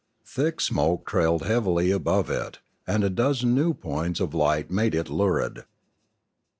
Thick smoke trailed beavily above it, and a dozen new points of light made it lurid.